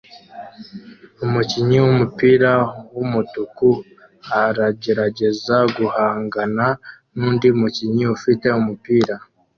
Umukinnyi wumupira wumutuku aragerageza guhangana nundi mukinnyi ufite umupira